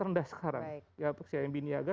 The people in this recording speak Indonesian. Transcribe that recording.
rendah sekarang ya si mbiniaga